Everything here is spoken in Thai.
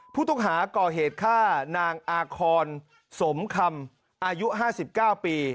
ผู้ต้องหาก่อเหตุฆ่านางอาคอนสมคำอายุ๕๙ปี